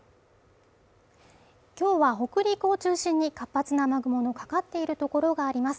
今日は北陸を中心に活発な雨雲のかかっているところがあります。